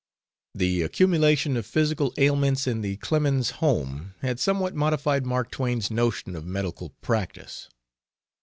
The accumulation of physical ailments in the Clemens home had somewhat modified Mark Twain's notion of medical practice.